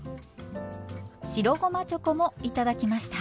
白ごまチョコも頂きました。